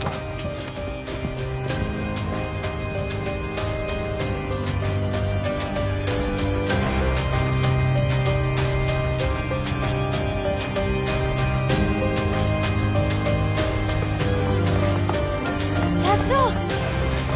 ちょっえっ社長